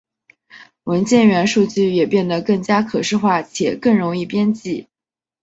文件元数据也变得更加可视化且更容易编辑。